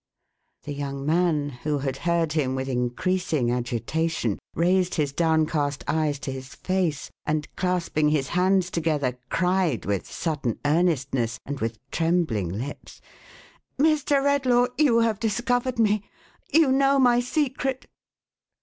" The young man, who had heard him with increasing agitation, raised his downcast eves to his face, and clasping 468 THE HATOTEI) MAN. his hands together, cried with sudden earnestness and with trembling lips :" Mr. Redlaw ! You have discovered me. You know my secret